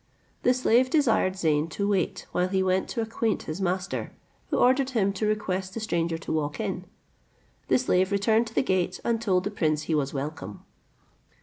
The slave desired Zeyn to wait while he went to acquaint his master, who ordered him to request the stranger to walk in. The slave returned to the gate, and told the prince he was welcome.